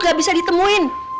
gak bisa ditemuin